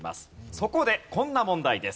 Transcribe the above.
そこでこんな問題です。